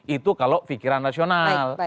itu kalau pikiran rasional